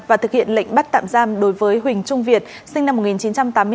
và thực hiện lệnh bắt tạm giam đối với huỳnh trung việt sinh năm một nghìn chín trăm tám mươi bốn